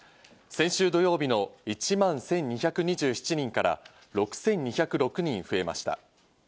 先週土曜日の１万１２２７人から６２０６人増えました。